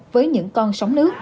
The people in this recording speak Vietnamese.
với những con sông